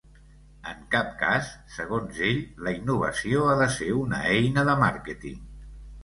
En cap cas, segons ell, la innovació ha de ser una eina de màrqueting.